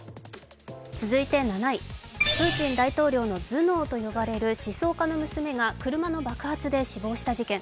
７位、プーチン大統領の頭脳と呼ばれる思想家の娘が車の爆発で死亡した事件。